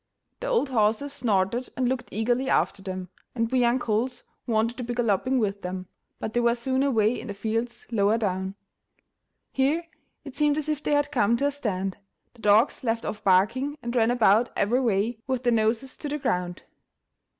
The old horses snorted and looked eagerly after them, and we young colts wanted to be galloping with them, but they were soon away into the fields lower down; here it seemed as if they had come to a stand; the dogs left off barking and ran about every way with their noses to the ground.